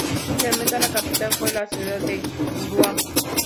Inicialmente, la capital fue la ciudad de Ruan.